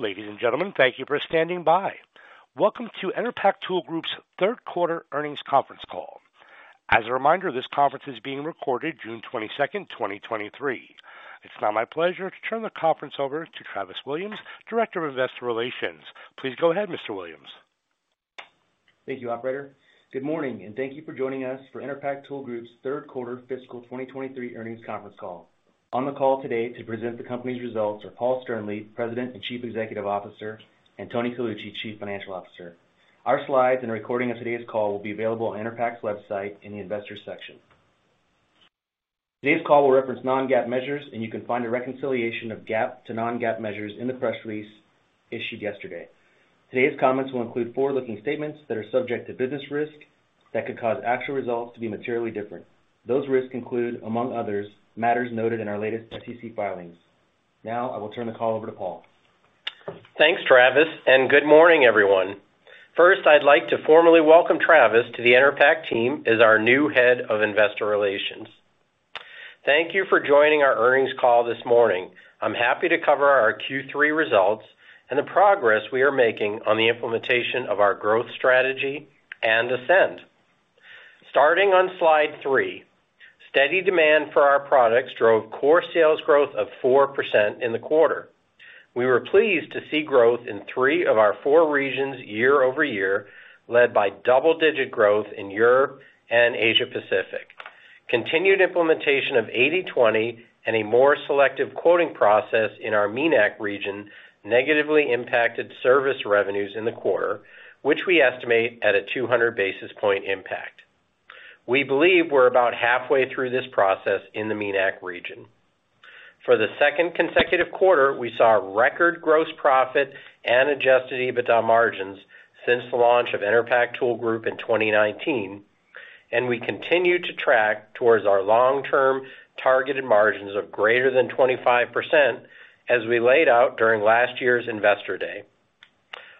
Ladies and gentlemen, thank you for standing by. Welcome to Enerpac Tool Group's third quarter earnings conference call. As a reminder, this conference is being recorded June 22nd, 2023. It's now my pleasure to turn the conference over to Travis Williams, Director of Investor Relations. Please go ahead, Mr. Williams. Thank you, operator. Good morning. Thank you for joining us for Enerpac Tool Group's third quarter fiscal 2023 earnings conference call. On the call today to present the company's results are Paul Sternlieb, President and Chief Executive Officer, and Anthony Colucci, Chief Financial Officer. Our slides and recording of today's call will be available on Enerpac's website in the Investors section. Today's call will reference non-GAAP measures. You can find a reconciliation of GAAP to non-GAAP measures in the press release issued yesterday. Today's comments will include forward-looking statements that are subject to business risk that could cause actual results to be materially different. Those risks include, among others, matters noted in our latest SEC filings. Now, I will turn the call over to Paul. Thanks, Travis. Good morning, everyone. First, I'd like to formally welcome Travis to the Enerpac team as our new Head of Investor Relations. Thank you for joining our earnings call this morning. I'm happy to cover our Q3 results and the progress we are making on the implementation of our growth strategy and ASCEND. Starting on slide three, steady demand for our products drove core sales growth of 4% in the quarter. We were pleased to see growth in three of our four regions year-over-year, led by double-digit growth in Europe and Asia Pacific. Continued implementation of 80/20 and a more selective quoting process in our MENAC region negatively impacted service revenues in the quarter, which we estimate at a 200 basis point impact. We believe we're about halfway through this process in the MENAC region. For the second consecutive quarter, we saw record gross profit and adjusted EBITDA margins since the launch of Enerpac Tool Group in 2019. We continue to track towards our long-term targeted margins of greater than 25%, as we laid out during last year's Investor Day.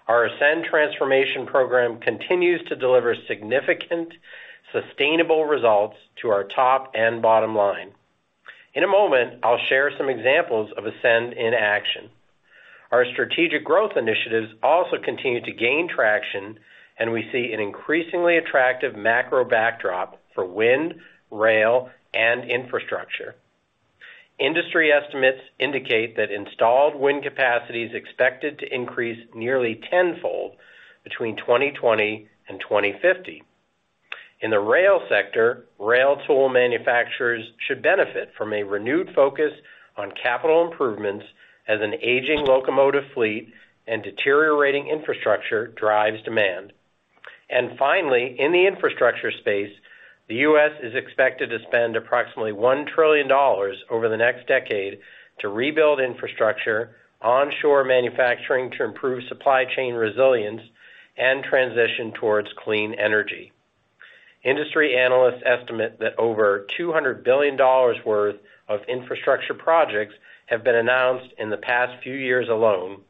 Our ASCEND transformation program continues to deliver significant, sustainable results to our top and bottom line. In a moment, I'll share some examples of ASCEND in action. Our strategic growth initiatives also continue to gain traction. We see an increasingly attractive macro backdrop for wind, rail, and infrastructure. Industry estimates indicate that installed wind capacity is expected to increase nearly tenfold between 2020 and 2050. In the rail sector, rail tool manufacturers should benefit from a renewed focus on capital improvements as an aging locomotive fleet and deteriorating infrastructure drives demand. Finally, in the infrastructure space, the U.S. is expected to spend approximately $1 trillion over the next decade to rebuild infrastructure, onshore manufacturing to improve supply chain resilience, and transition towards clean energy. Industry analysts estimate that over $200 billion worth of infrastructure projects have been announced in the past few years alone,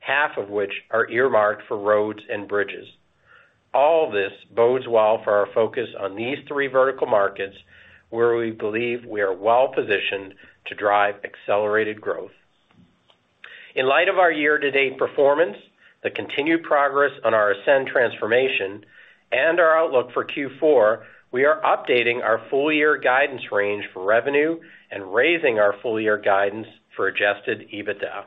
half of which are earmarked for roads and bridges. All this bodes well for our focus on these three vertical markets, where we believe we are well-positioned to drive accelerated growth. In light of our year-to-date performance, the continued progress on our ASCEND transformation, and our outlook for Q4, we are updating our full-year guidance range for revenue and raising our full-year guidance for adjusted EBITDA.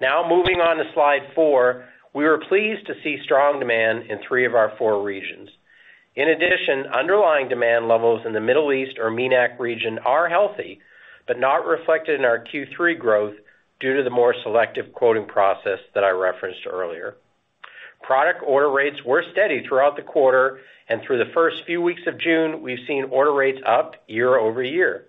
Moving on to slide four, we were pleased to see strong demand in three of our four regions. In addition, underlying demand levels in the Middle East or MENAC region are healthy, not reflected in our Q3 growth due to the more selective quoting process that I referenced earlier. Product order rates were steady throughout the quarter. Through the first few weeks of June, we've seen order rates up year-over-year.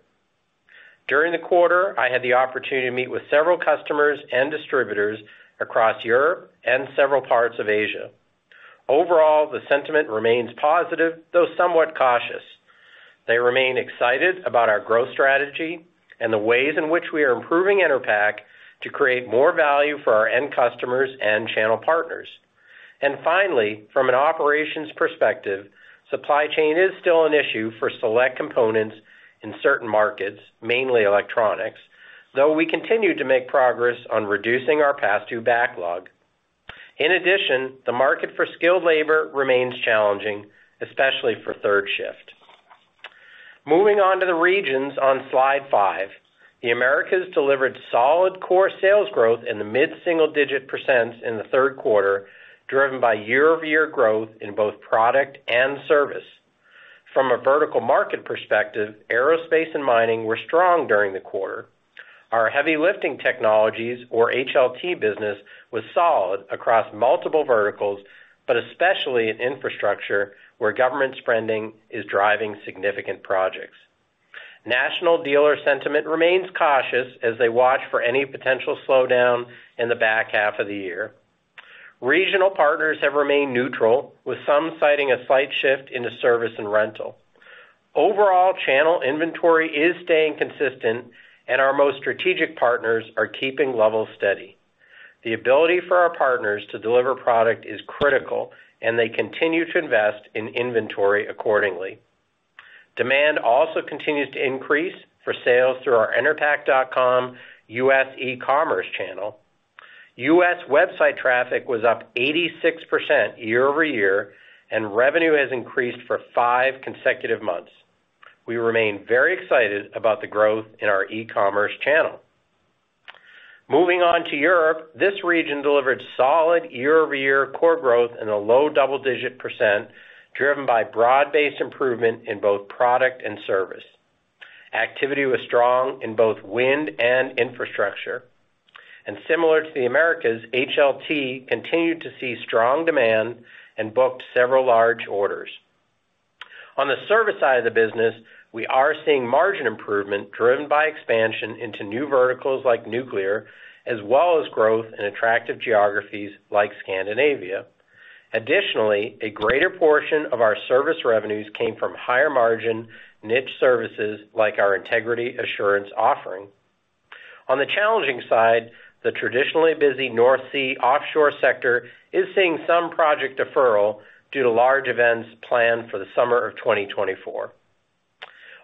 During the quarter, I had the opportunity to meet with several customers and distributors across Europe and several parts of Asia. Overall, the sentiment remains positive, though somewhat cautious. They remain excited about our growth strategy and the ways in which we are improving Enerpac to create more value for our end customers and channel partners. Finally, from an operations perspective, supply chain is still an issue for select components in certain markets, mainly electronics, though we continue to make progress on reducing our past due backlog. In addition, the market for skilled labor remains challenging, especially for third shift. Moving on to the regions on slide five, the Americas delivered solid core sales growth in the mid-single-digit percent in the third quarter, driven by year-over-year growth in both product and service. From a vertical market perspective, aerospace and mining were strong during the quarter. Our Heavy Lifting Technology, or HLT business, was solid across multiple verticals, but especially in infrastructure, where government spending is driving significant projects. National dealer sentiment remains cautious as they watch for any potential slowdown in the back half of the year. Regional partners have remained neutral, with some citing a slight shift into service and rental. Channel inventory is staying consistent, and our most strategic partners are keeping levels steady. The ability for our partners to deliver product is critical, and they continue to invest in inventory accordingly. Demand also continues to increase for sales through our enerpac.com U.S. e-commerce channel. U.S. website traffic was up 86% year-over-year, and revenue has increased for five consecutive months. We remain very excited about the growth in our e-commerce channel. Moving on to Europe, this region delivered solid year-over-year core growth in a low double-digit %, driven by broad-based improvement in both product and service. Activity was strong in both wind and infrastructure, and similar to the Americas, HLT continued to see strong demand and booked several large orders. On the service side of the business, we are seeing margin improvement driven by expansion into new verticals like nuclear, as well as growth in attractive geographies like Scandinavia. Additionally, a greater portion of our service revenues came from higher margin niche services like our integrity assurance offering. On the challenging side, the traditionally busy North Sea offshore sector is seeing some project deferral due to large events planned for the summer of 2024.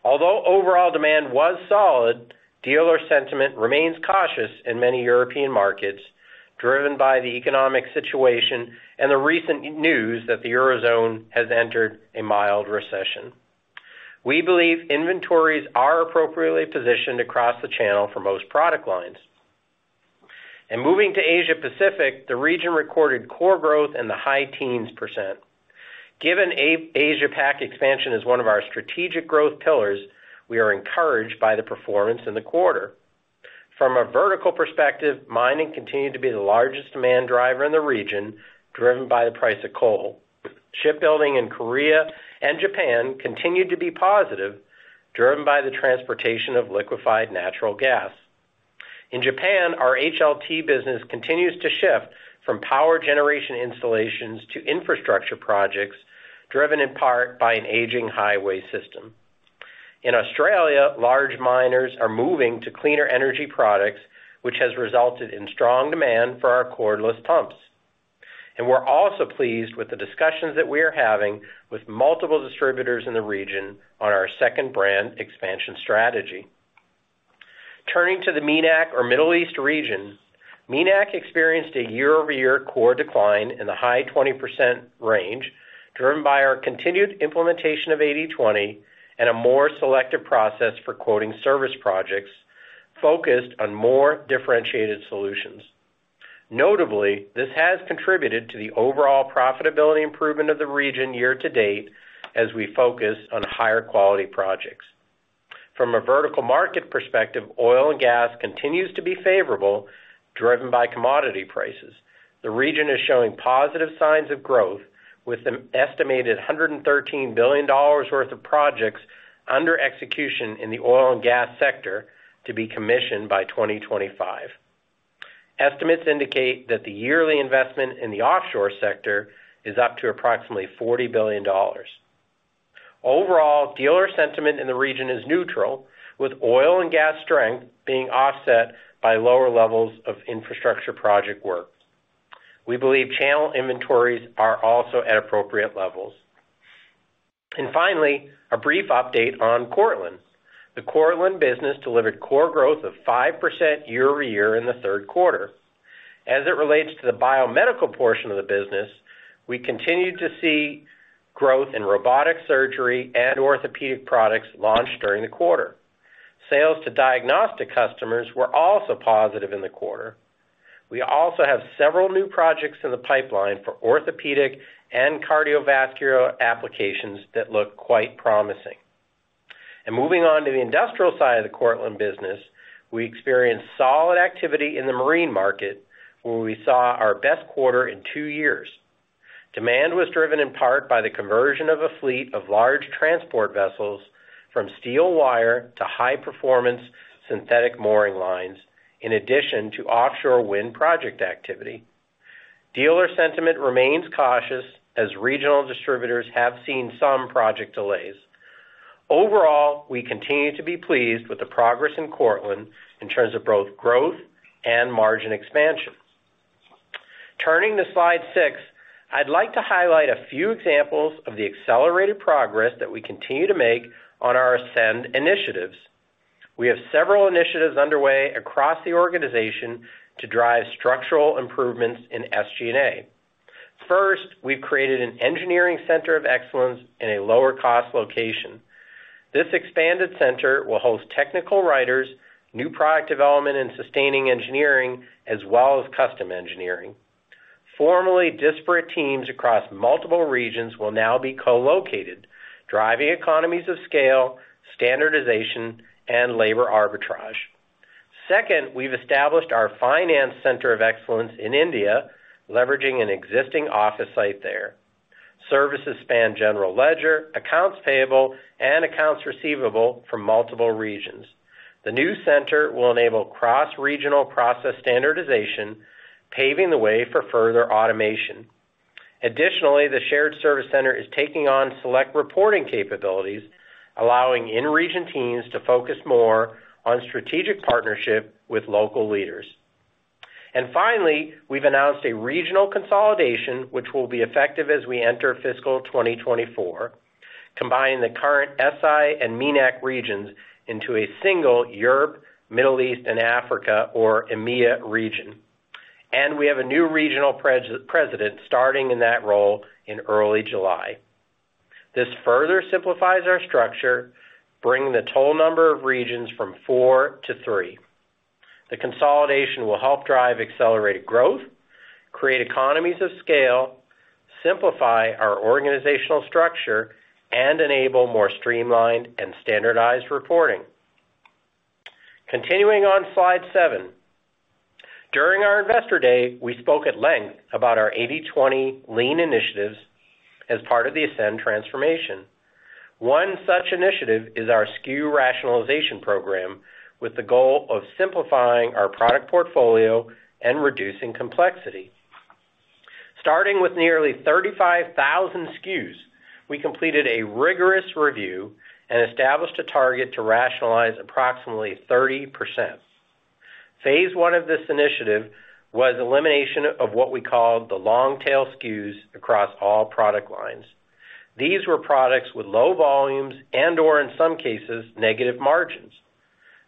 Although overall demand was solid, dealer sentiment remains cautious in many European markets, driven by the economic situation and the recent news that the Eurozone has entered a mild recession. We believe inventories are appropriately positioned across the channel for most product lines. Moving to Asia-Pacific, the region recorded core growth in the high teens percent. Given Asia-Pac expansion is one of our strategic growth pillars, we are encouraged by the performance in the quarter. From a vertical perspective, mining continued to be the largest demand driver in the region, driven by the price of coal. Shipbuilding in Korea and Japan continued to be positive, driven by the transportation of liquefied natural gas. In Japan, our HLT business continues to shift from power generation installations to infrastructure projects, driven in part by an aging highway system. In Australia, large miners are moving to cleaner energy products, which has resulted in strong demand for our cordless pumps. We're also pleased with the discussions that we are having with multiple distributors in the region on our second brand expansion strategy. Turning to the MENAC or Middle East region, MENAC experienced a year-over-year core decline in the high 20% range, driven by our continued implementation of 80/20, and a more selective process for quoting service projects focused on more differentiated solutions. Notably, this has contributed to the overall profitability improvement of the region year-to-date as we focus on higher quality projects. From a vertical market perspective, oil and gas continues to be favorable, driven by commodity prices. The region is showing positive signs of growth, with an estimated $113 billion worth of projects under execution in the oil and gas sector to be commissioned by 2025. Estimates indicate that the yearly investment in the offshore sector is up to approximately $40 billion. Overall, dealer sentiment in the region is neutral, with oil and gas strength being offset by lower levels of infrastructure project work. We believe channel inventories are also at appropriate levels. Finally, a brief update on Cortland. The Cortland business delivered core growth of 5% year-over-year in the third quarter. As it relates to the biomedical portion of the business, we continued to see growth in robotic surgery and orthopedic products launched during the quarter. Sales to diagnostic customers were also positive in the quarter. We also have several new projects in the pipeline for orthopedic and cardiovascular applications that look quite promising. Moving on to the industrial side of the Cortland business, we experienced solid activity in the marine market, where we saw our best quarter in two years. Demand was driven in part by the conversion of a fleet of large transport vessels from steel wire to high-performance synthetic mooring lines, in addition to offshore wind project activity. Dealer sentiment remains cautious as regional distributors have seen some project delays. Overall, we continue to be pleased with the progress in Cortland in terms of both growth and margin expansion. Turning to slide six, I'd like to highlight a few examples of the accelerated progress that we continue to make on our ASCEND initiatives. We have several initiatives underway across the organization to drive structural improvements in SG&A. First, we've created an engineering center of excellence in a lower cost location. This expanded center will host technical writers, new product development and sustaining engineering, as well as custom engineering. Formerly disparate teams across multiple regions will now be co-located, driving economies of scale, standardization, and labor arbitrage. Second, we've established our finance center of excellence in India, leveraging an existing office site there. Services span general ledger, accounts payable, and accounts receivable from multiple regions. The new center will enable cross-regional process standardization, paving the way for further automation. Additionally, the shared service center is taking on select reporting capabilities, allowing in-region teams to focus more on strategic partnership with local leaders. Finally, we've announced a regional consolidation, which will be effective as we enter fiscal 2024, combining the current ESSAI and MENAC regions into a single Europe, Middle East, and Africa, or EMEA region. We have a new regional president starting in that role in early July. This further simplifies our structure, bringing the total number of regions from four-three. The consolidation will help drive accelerated growth, create economies of scale, simplify our organizational structure, and enable more streamlined and standardized reporting. Continuing on slide seven. During our Investor Day, we spoke at length about our 80/20 lean initiatives as part of the ASCEND transformation. One such initiative is our SKU rationalization program, with the goal of simplifying our product portfolio and reducing complexity. Starting with nearly 35,000 SKUs, we completed a rigorous review and established a target to rationalize approximately 30%. Phase I of this initiative was elimination of what we call the long-tail SKUs across all product lines. These were products with low volumes and, or in some cases, negative margins.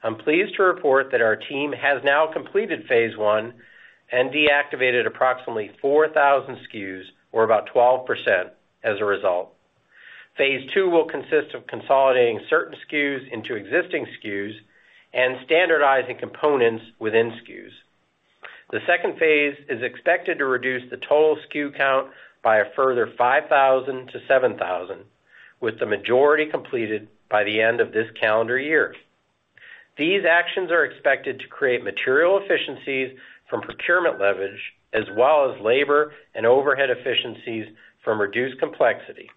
I'm pleased to report that our team has now completed phase I and deactivated approximately 4,000 SKUs, or about 12%, as a result. Phase II will consist of consolidating certain SKUs into existing SKUs and standardizing components within SKUs. The second phase is expected to reduce the total SKU count by a further 5,000-7,000, with the majority completed by the end of this calendar year. These actions are expected to create material efficiencies from procurement leverage, as well as labor and overhead efficiencies from reduced complexity.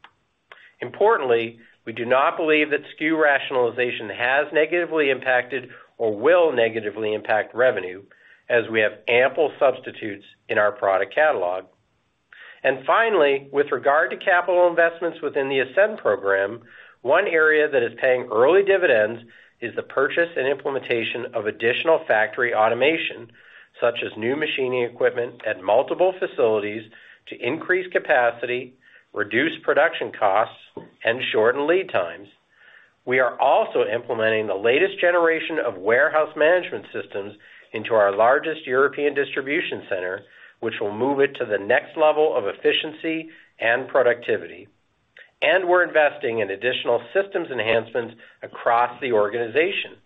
Importantly, we do not believe that SKU rationalization has negatively impacted or will negatively impact revenue, as we have ample substitutes in our product catalog. Finally, with regard to capital investments within the ASCEND program, one area that is paying early dividends is the purchase and implementation of additional factory automation, such as new machining equipment at multiple facilities to increase capacity, reduce production costs, and shorten lead times. We are also implementing the latest generation of warehouse management systems into our largest European distribution center, which will move it to the next level of efficiency and productivity. We're investing in additional systems enhancements across the organization.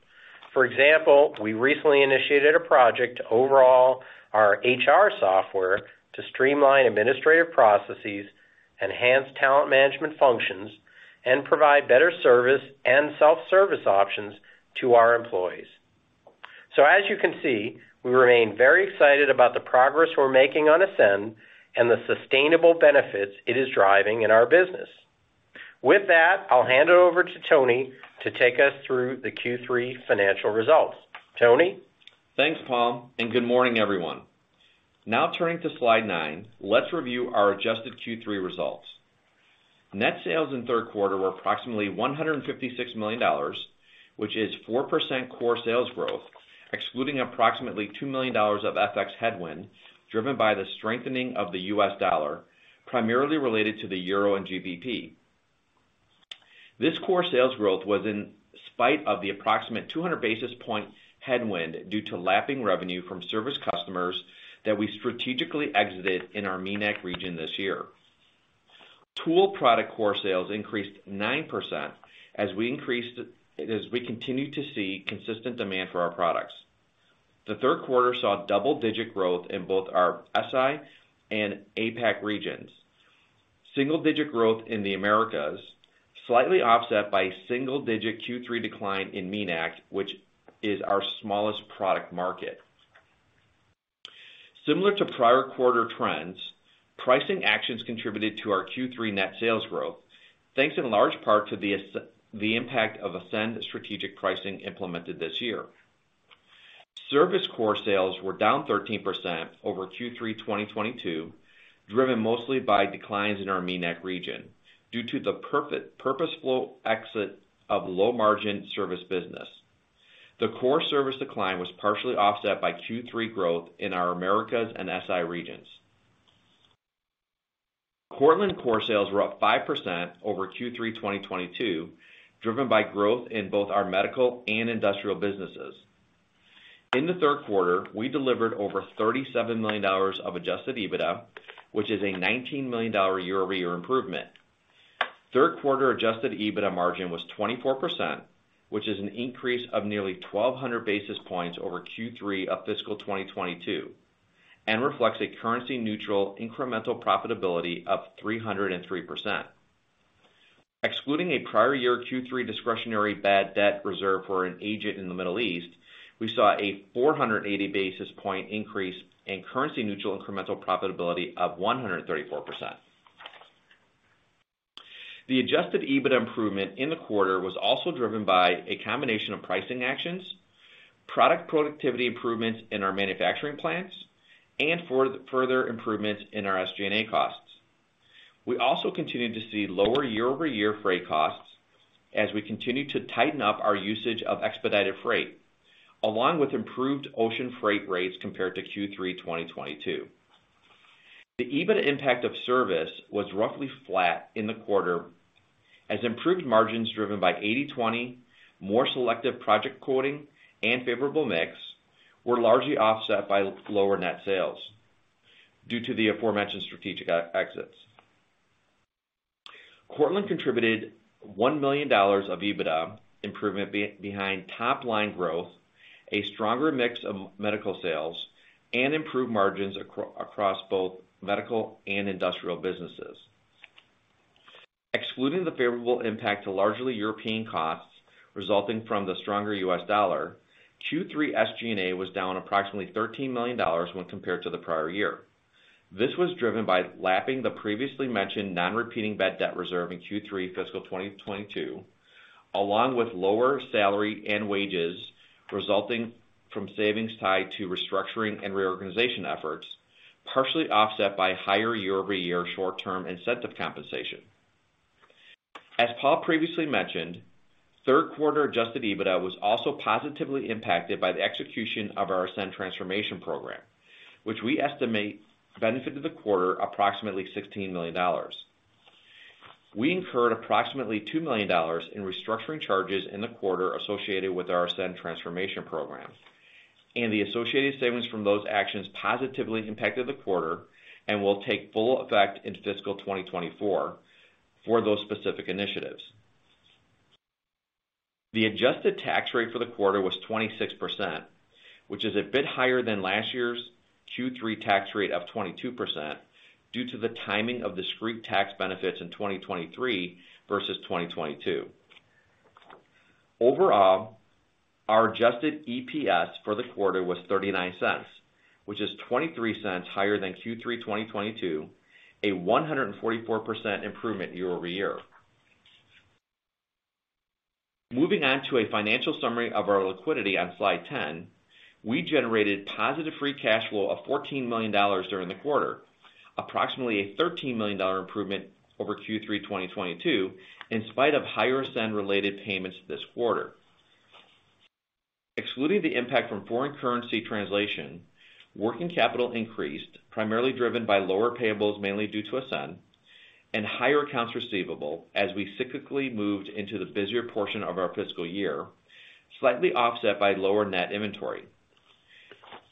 For example, we recently initiated a project to overhaul our HR software to streamline administrative processes, enhance talent management functions, and provide better service and self-service options to our employees. As you can see, we remain very excited about the progress we're making on ASCEND and the sustainable benefits it is driving in our business. With that, I'll hand it over to Tony to take us through the Q3 financial results. Tony? Thanks, Travis, good morning, everyone. Now turning to slide nine, let's review our adjusted Q3 results. Net sales in Q3 were approximately $156 million, which is 4% core sales growth, excluding approximately $2 million of FX headwind, driven by the strengthening of the U.S. dollar, primarily related to the euro and GBP. This core sales growth was in spite of the approximate 200 basis point headwind, due to lapping revenue from service customers that we strategically exited in our MENAC region this year. Tool product core sales increased 9%, as we continued to see consistent demand for our products. The third quarter saw double-digit growth in both our ESSAI and APAC regions. Single-digit growth in the Americas, slightly offset by single-digit Q3 decline in MENAC, which is our smallest product market. Similar to prior quarter trends, pricing actions contributed to our Q3 net sales growth, thanks in large part to the impact of ASCEND strategic pricing implemented this year. Service core sales were down 13% over Q3 2022, driven mostly by declines in our MENAC region due to the purposeful exit of low-margin service business. The core service decline was partially offset by Q3 growth in our Americas and ESSAI regions. Cortland core sales were up 5% over Q3 2022, driven by growth in both our medical and industrial businesses. In the third quarter, we delivered over $37 million of adjusted EBITDA, which is a $19 million year-over-year improvement. Third quarter adjusted EBITDA margin was 24%, which is an increase of nearly 1,200 basis points over Q3 of fiscal 2022, and reflects a currency-neutral incremental profitability of 303%. Excluding a prior year Q3 discretionary bad debt reserve for an agent in the Middle East, we saw a 480 basis point increase in currency-neutral incremental profitability of 134%. The adjusted EBITDA improvement in the quarter was also driven by a combination of pricing actions, product productivity improvements in our manufacturing plants, and further improvements in our SG&A costs. We also continued to see lower year-over-year freight costs as we continued to tighten up our usage of expedited freight, along with improved ocean freight rates compared to Q3 2022. The EBITDA impact of service was roughly flat in the quarter, as improved margins driven by 80/20, more selective project quoting, and favorable mix were largely offset by lower net sales due to the aforementioned strategic exits. Cortland contributed $1 million of EBITDA improvement behind top-line growth, a stronger mix of medical sales, and improved margins across both medical and industrial businesses. Excluding the favorable impact to largely European costs resulting from the stronger U.S. dollar, Q3 SG&A was down approximately $13 million when compared to the prior year. This was driven by lapping the previously mentioned non-repeating bad debt reserve in Q3 fiscal 2022, along with lower salary and wages resulting from savings tied to restructuring and reorganization efforts, partially offset by higher year-over-year short-term incentive compensation. As Paul previously mentioned, third quarter adjusted EBITDA was also positively impacted by the execution of our ASCEND transformation program, which we estimate benefited the quarter approximately $16 million. We incurred approximately $2 million in restructuring charges in the quarter associated with our ASCEND transformation program, and the associated savings from those actions positively impacted the quarter and will take full effect into fiscal 2024 for those specific initiatives. The adjusted tax rate for the quarter was 26%, which is a bit higher than last year's Q3 tax rate of 22%, due to the timing of discrete tax benefits in 2023 versus 2022. Overall, our adjusted EPS for the quarter was $0.39, which is $0.23 higher than Q3 2022, a 144% improvement year-over-year. Moving on to a financial summary of our liquidity on slide 10, we generated positive free cash flow of $14 million during the quarter, approximately a $13 million improvement over Q3 2022, in spite of higher ASCEND-related payments this quarter. Excluding the impact from foreign currency translation, working capital increased, primarily driven by lower payables, mainly due to ASCEND, and higher accounts receivable as we cyclically moved into the busier portion of our fiscal year, slightly offset by lower net inventory.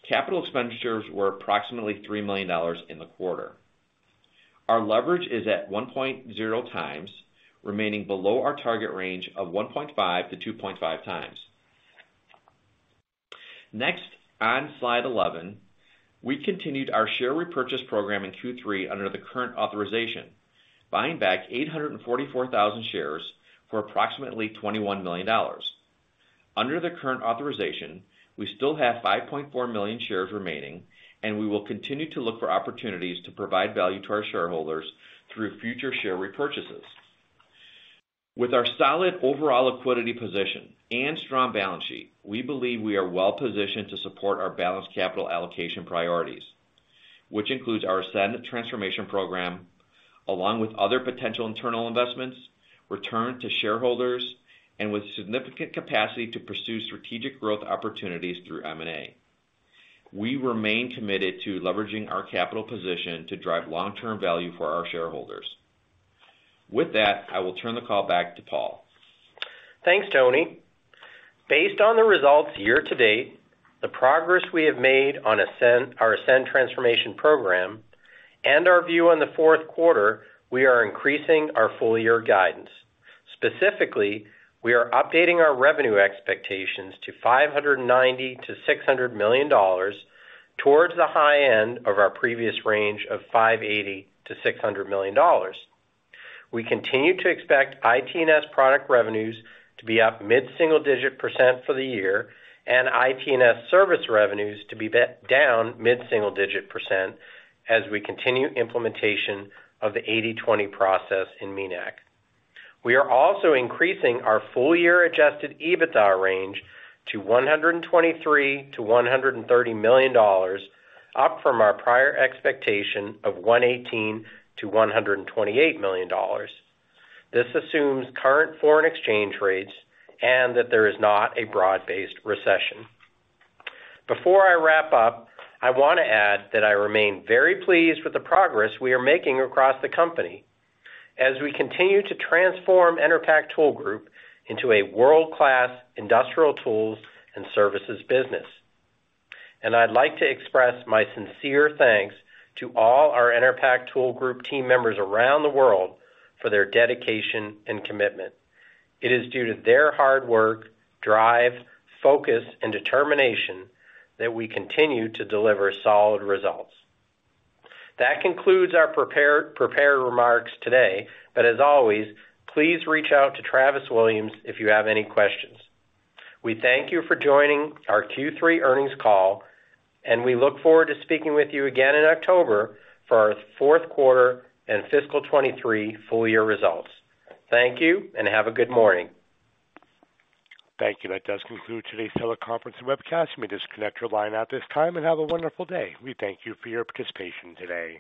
Capital expenditures were approximately $3 million in the quarter. Our leverage is at 1.0x, remaining below our target range of 1.5-2.5x. Next, on slide 11, we continued our share repurchase program in Q3 under the current authorization, buying back 844,000 shares for approximately $21 million. Under the current authorization, we still have 5.4 million shares remaining. We will continue to look for opportunities to provide value to our shareholders through future share repurchases. With our solid overall liquidity position and strong balance sheet, we believe we are well positioned to support our balanced capital allocation priorities, which includes our ASCEND transformation program, along with other potential internal investments, return to shareholders, and with significant capacity to pursue strategic growth opportunities through M&A. We remain committed to leveraging our capital position to drive long-term value for our shareholders. With that, I will turn the call back to Paul. Thanks, Tony. Based on the results year-to-date, the progress we have made on ASCEND, our ASCEND transformation program, and our view on the fourth quarter, we are increasing our full-year guidance. Specifically, we are updating our revenue expectations to $590 million-$600 million, towards the high end of our previous range of $580 million-$600 million. We continue to expect IT&S product revenues to be up mid-single digit percent for the year, and IT&S service revenues to be down mid-single digit percent as we continue implementation of the 80/20 process in MENAC. We are also increasing our full-year adjusted EBITDA range to $123 million-$130 million, up from our prior expectation of $118 million-$128 million. This assumes current foreign exchange rates and that there is not a broad-based recession. Before I wrap up, I want to add that I remain very pleased with the progress we are making across the company as we continue to transform Enerpac Tool Group into a world-class industrial tools and services business. I'd like to express my sincere thanks to all our Enerpac Tool Group team members around the world for their dedication and commitment. It is due to their hard work, drive, focus, and determination that we continue to deliver solid results. That concludes our prepared remarks today, but as always, please reach out to Travis Williams if you have any questions. We thank you for joining our Q3 earnings call. We look forward to speaking with you again in October for our fourth quarter and fiscal 23 full year results. Thank you, and have a good morning. Thank you. That does conclude today's teleconference and webcast. You may disconnect your line at this time, and have a wonderful day. We thank you for your participation today.